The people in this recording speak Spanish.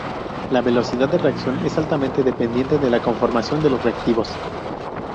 La velocidad de reacción es altamente dependiente de la conformación de los reactivos.